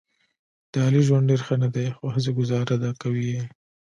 د علي ژوند ډېر ښه نه دی، خو هسې ګوزاره ده کوي یې.